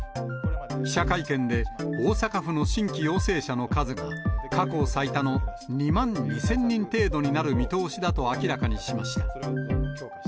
記者会見で、大阪府の新規陽性者の数が過去最多の２万２０００人程度になる見通しだと明らかにしました。